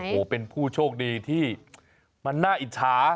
โอ้โหเป็นผู้โชคดีที่มันน่าอิจฉา